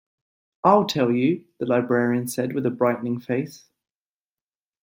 I'll tell you, the librarian said with a brightening face.